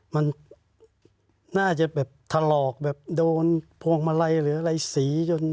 มันน่าจะแบบถลอกแบบโดนพวงมาลัยหรืออะไรสีจน